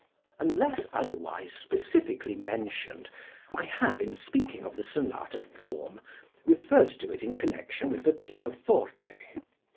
Unless otherwise specifically mentioned I have, in speaking of the sonata form, referred to it in connection with the pianoforte.